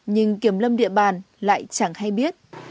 nhưng kiểm lâm địa bàn lại chẳng hay biết